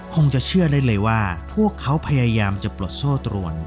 คงจะเชื่อได้เลยว่าพวกเขาพยายามจะปลดโซ่ตรวน